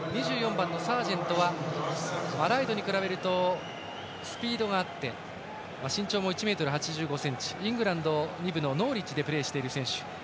２４番のサージェントはライトに比べるとスピードがあって身長も１ｍ８５ｃｍでイングランド２部のノーリッジでプレーしている選手。